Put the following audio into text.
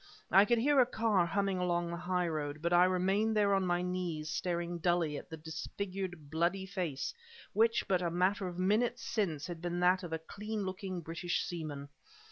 I could hear a car humming along the highroad, but I remained there on my knees staring dully at the disfigured bloody face which but a matter of minutes since had been that of a clean looking British seaman.